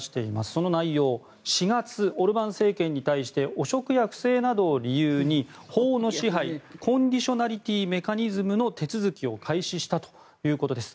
その内容４月、オルバン政権に対して汚職や不正などを理由に法の支配コンディショナリティー・メカニズムの手続きを開始したということです。